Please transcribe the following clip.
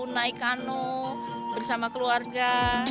naik ano bersama keluarga